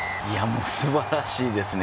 すばらしいですね。